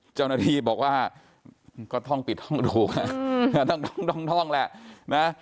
เจ้าหน้าที่บอกว่าก็ท่องปิดท่องถูกท่องแหละนะ